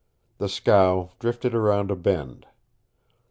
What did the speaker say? The scow drifted around a bend.